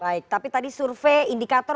baik tapi tadi survei indikator